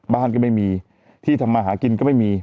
บ้านก็ไม่มีที่ทำมาหากินก็ไม่มี